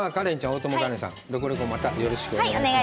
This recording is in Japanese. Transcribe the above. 大友花恋さん「ロコレコ！」またよろしくお願いします